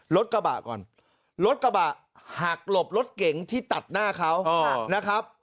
รถกระบะก่อนรถกระบะหักหลบรถเก๋งที่ตัดหน้าเขานะครับ